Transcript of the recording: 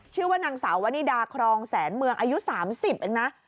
ชื่อว่านางสาววนิดาครองแสนเมืองอายุ๓๐เองนะ